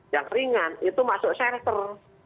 yang ringan itu masuk shelter